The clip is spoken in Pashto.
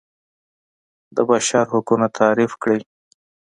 د بشر حقونه تعریف کړي.